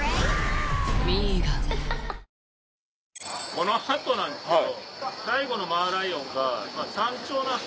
この後なんですけど。